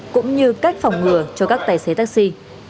cũng như cách phòng ngừa cho các tài xế taxi